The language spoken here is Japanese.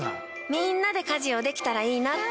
みんなで家事をできたらいいなって。